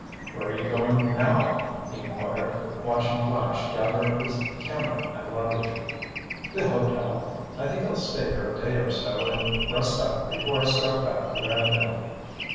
"Where are you going now?" he inquired, watching Flash gather up his camera and luggage. "The hotel. I think I'll stay here a day or so and rest up before I start back to Brandale."